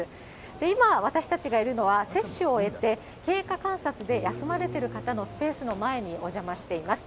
今、私たちがいるのは、接種を終えて、経過観察で休まれている方のスペースの前にお邪魔しています。